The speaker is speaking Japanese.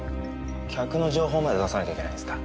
客の情報まで出さなきゃいけないんですか？